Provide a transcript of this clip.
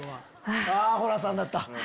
ホランさんだった。